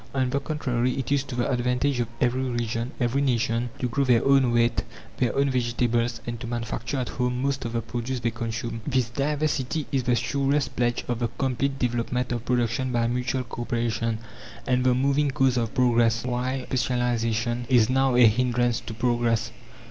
On the contrary, it is to the advantage of every region, every nation, to grow their own wheat, their own vegetables, and to manufacture at home most of the produce they consume. This diversity is the surest pledge of the complete development of production by mutual co operation, and the moving cause of progress, while specialization is now a hindrance to progress.